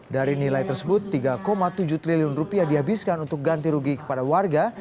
dari nilai tersebut rp tiga tujuh triliun rupiah dihabiskan untuk ganti rugi kepada warga